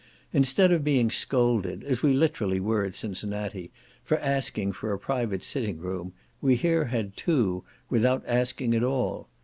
Instead of being scolded, as we literally were at Cincinnati, for asking for a private sitting room, we here had two, without asking at all.